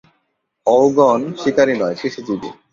অওগণ শিকারি নয়, কৃষিজীবী।